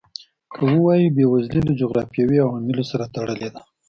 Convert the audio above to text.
که ووایو بېوزلي له جغرافیوي عواملو سره تړلې ده.